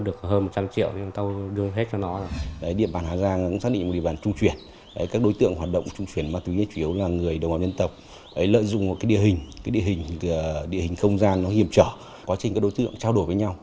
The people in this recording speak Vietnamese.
quá trình các đối tượng trao đổi với nhau